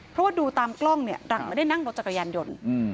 เพราะว่าดูตามกล้องหลั่งมันไม่ได้นั่งรถจากกระยันยนต์